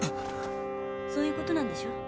そういうことなんでしょ？